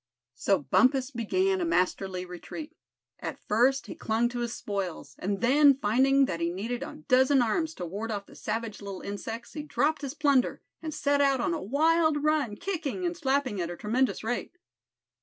So Bumpus began a masterly retreat. At first he clung to his spoils; and then, finding that he needed a dozen arms to ward off the savage little insects he dropped his plunder, and set out on a wild run, kicking and slapping at a tremendous rate.